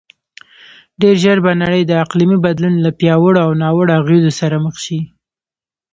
ډېرژر به نړی د اقلیمې بدلون له پیاوړو او ناوړو اغیزو سره مخ شې